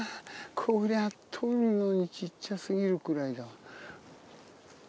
こりゃあとるのにちっちゃすぎるくらいだ。